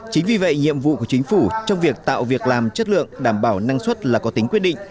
chính vì vậy nhiệm vụ của chính phủ trong việc tạo việc làm chất lượng đảm bảo năng suất là có tính quyết định